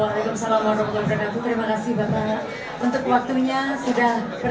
waalaikumsalam warahmatullahi wabarakatuh terima kasih bapak